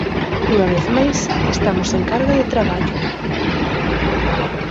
"Unha vez máis, estamos sen carga de traballo".